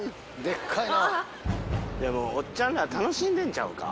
おっちゃんら楽しんでんちゃうか。